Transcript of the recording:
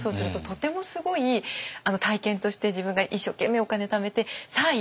とてもすごい体験として自分が一生懸命お金ためてさあ行った！